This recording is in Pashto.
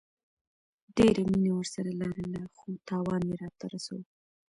ډيره مينه ورسره لرله خو تاوان يي راته رسوو